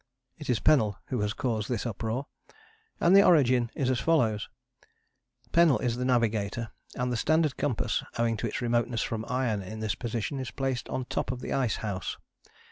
It is Pennell who has caused this uproar. And the origin is as follows: Pennell is the navigator, and the standard compass, owing to its remoteness from iron in this position, is placed on the top of the ice house.